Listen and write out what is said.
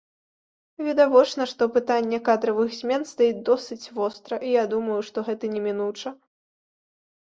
Відавочна, што пытанне кадравых змен стаіць досыць востра, і я думаю, што гэта немінуча.